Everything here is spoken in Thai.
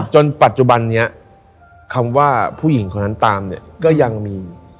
จนปัจจุบันนี้คำว่าผู้หญิงคนนั้นตามเนี่ยก็ยังมี